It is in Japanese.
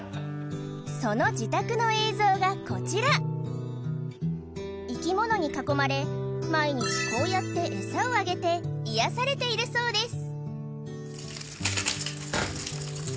その自宅の映像がこちら生き物に囲まれ毎日こうやってエサをあげて癒やされているそうです